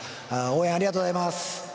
応援ありがとうございます。